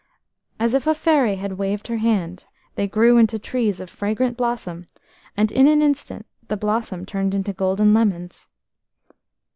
As if a fairy had waved her wand, they grew into trees of fragrant blossom, and in an instant the blossom turned into golden lemons.